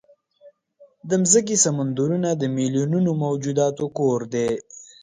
د مځکې سمندرونه د میلیونونو موجوداتو کور دی.